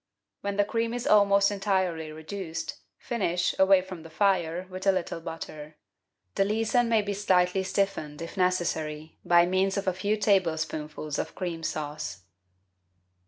When the cream is almost entirely reduced, finish, away from the fire, with a little butter. The leason may be slightly stiffened, if necessary, by means of a few tablespoonfuls of cream sauce.